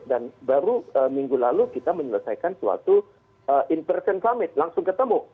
dan baru minggu lalu kita menyelesaikan suatu in person summit langsung ketemu